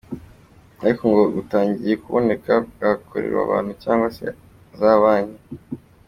Ariko ngo butangiye kuboneka bwakorewe abantu cyangwa se za banki.